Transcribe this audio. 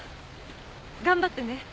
頑張ってね。